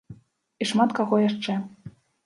І шмат каго яшчэ.